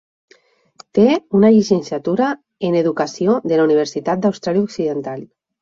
Té una llicenciatura en Educació de la Universitat d'Austràlia Occidental.